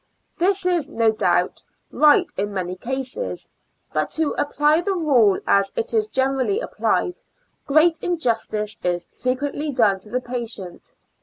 This is, no doubt, right in many cases, but to apply the rule as it is general ly applied, great injustice is frequently done to the patient.